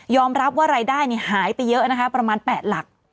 ยอมรับว่ารายได้นี่หายไปเยอะนะคะประมาณแปดหลัก